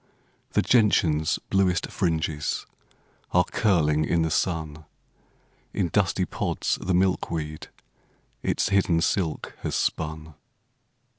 The gentian's bluest fringes Are curling in the sun; In dusty pods the milkweed Its hidden silk has spun.